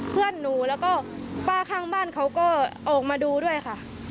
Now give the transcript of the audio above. เพื่อนหนูแล้วก็ป้าข้างบ้านเขาก็ออกมาดูด้วยค่ะ